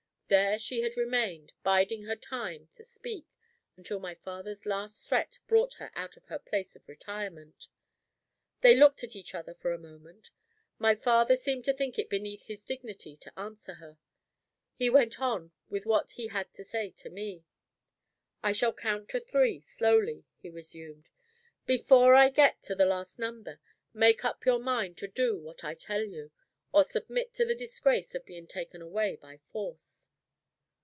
There she had remained, biding her time to speak, until my father's last threat brought her out of her place of retirement. They looked at each other for a moment. My father seemed to think it beneath his dignity to answer her. He went on with what he had to say to me. "I shall count three slowly," he resumed. "Before I get to the last number, make up your mind to do what I tell you, or submit to the disgrace of being taken away by force."